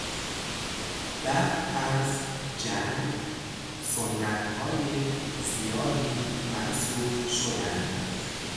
بعد از جنگ سنتهای زیادی منسوخ شدند.